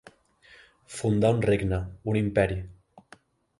Fundar un regne, un imperi.